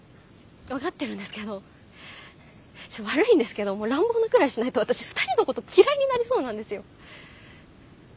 分かってるんですけど悪いんですけど乱暴なくらいしないと私２人のこと嫌いになりそうなんですよ。